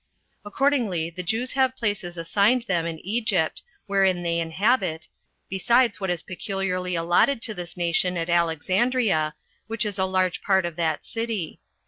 Accordingly, the Jews have places assigned them in Egypt, wherein they inhabit, besides what is peculiarly allotted to this nation at Alexandria, which is a large part of that city.